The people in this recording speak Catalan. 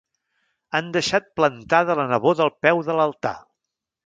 Han deixat plantada la neboda al peu de l'altar.